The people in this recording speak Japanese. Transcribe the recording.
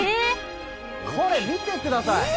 これ、見てください！